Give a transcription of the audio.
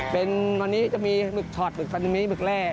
วันนี้จะมีหมึกชอดหมึกสันมิหมึกแร่